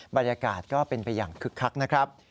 บรรยากาศก็เป็นไปอย่างคึกคักนะครับ